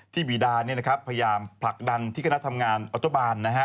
ที่วีดาพยายามผลักดันที่คณะทำงานอัตโบราณ